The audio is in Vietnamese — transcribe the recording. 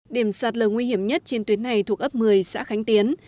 điểm sạt lở nguy hiểm nhất trên tuyến này thuộc ấp một mươi xã khánh tiến